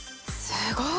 すごい！